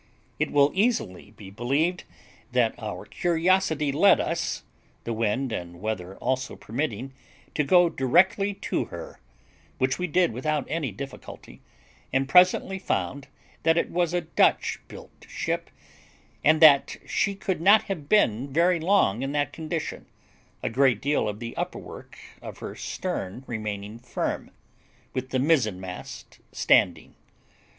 It will easily be believed that our curiosity led us, the wind and weather also permitting, to go directly to her, which we did without any difficulty, and presently found that it was a Dutch built ship, and that she could not have been very long in that condition, a great deal of the upper work of her stern remaining firm, with the mizzen mast standing.